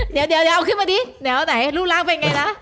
เดี๋ยวเอาขึ้นมาดิลูกล้างเป็นไงนะ